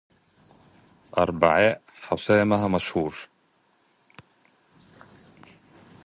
أربعاء حسامه مشهور